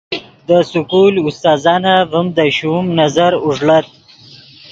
دے سکول استاذانف ڤیم دے شوم نظر اوݱڑت